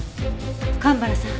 蒲原さん。